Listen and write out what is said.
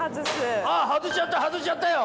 外しちゃった外しちゃったよ。